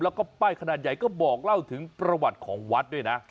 แล้วก็ป้ายขนาดใหญ่ก็บอกเล่าถึงประวัติของวัดด้วยนะ